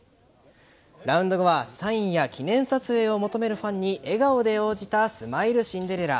ラウンド後にはサインや記念撮影を求めるファンに笑顔で応じたスマイルシンデレラ。